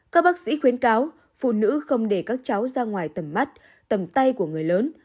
các bác sĩ khuyến cáo phụ nữ không để các cháu ra ngoài tầm mắt tầm tay của người lớn